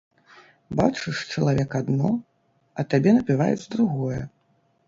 Бачыш чалавек адно, а табе напяваюць другое.